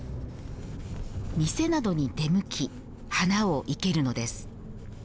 店などに出向き花を生けるのです。